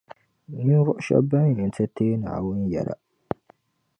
Ninvuɣu shɛba ban yi ti teei Naawuni yɛla